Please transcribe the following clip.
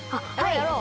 やろう！